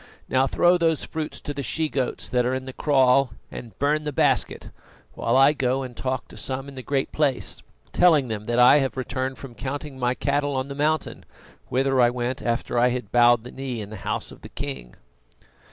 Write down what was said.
Now throw those fruits to the she goats that are in the kraal, and burn the basket, while I go and talk to some in the Great Place, telling them that I have returned from counting my cattle on the mountain, whither I went after I had bowed the knee in the house of the king."